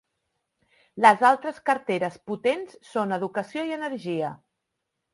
Les altres carteres potents són educació i energia.